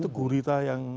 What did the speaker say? itu gurita yang